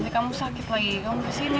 kamu sakit lagi kamu besin ya